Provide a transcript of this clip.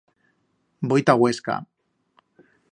Voi ta Uesca.